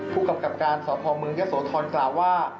ผู้กำกับการสพเมืองยะโสธรกล่าวว่า